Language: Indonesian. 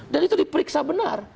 dan itu diperiksa benar